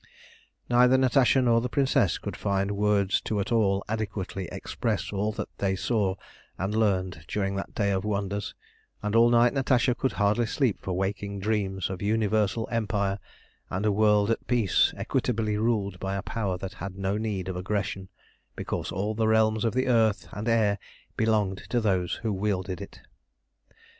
Neither Natasha nor the Princess could find words to at all adequately express all that they saw and learnt during that day of wonders, and all night Natasha could hardly sleep for waking dreams of universal empire, and a world at peace equitably ruled by a power that had no need of aggression, because all the realms of earth and air belonged to those who wielded it.